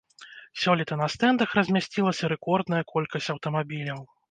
Сёлета на стэндах размясцілася рэкордная колькасць аўтамабіляў.